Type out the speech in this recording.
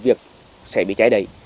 sự việc sẽ bị trái đầy